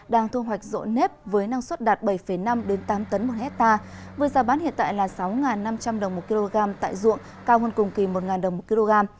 đang thu hoạch rộ nếp với năng suất đạt bảy năm tám tấn một hectare với giá bán hiện tại là sáu năm trăm linh đồng một kg tại ruộng cao hơn cùng kỳ một đồng một kg